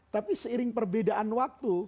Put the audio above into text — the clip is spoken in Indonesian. tapi seiring perbedaan waktu